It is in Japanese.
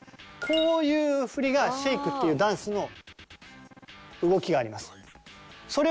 こういう振りがシェイクっていうダンスの動きがあります。